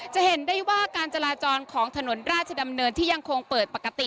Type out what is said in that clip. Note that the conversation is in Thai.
จะเห็นได้ว่าการจราจรของถนนราชดำเนินที่ยังคงเปิดปกติ